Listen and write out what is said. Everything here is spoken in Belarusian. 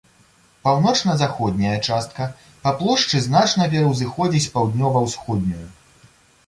Паўночна-заходняя частка па плошчы значна пераўзыходзіць паўднёва-ўсходнюю.